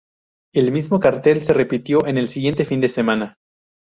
El mismo cartel se repitió en el siguiente fin de semana.